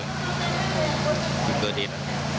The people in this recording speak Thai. แล้วแต่บุตร